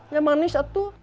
yang manis satu